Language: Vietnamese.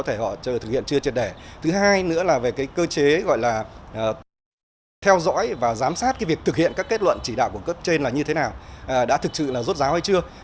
thứ hai nữa là về cơ chế theo dõi và giám sát việc thực hiện các kết luận chỉ đạo của cấp trên là như thế nào đã thực sự rốt ráo hay chưa